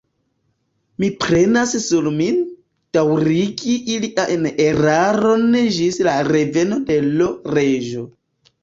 Mi prenas sur min, daŭrigi ilian eraron ĝis la reveno de l' Reĝo.